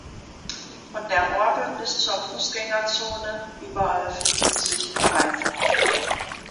Von der Orgel bis zur Fußgängerzone, überall finden sich Pfeifen.